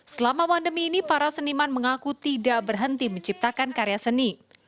selama pandemi ini para seniman mengaku tidak berhenti menciptakan karya seni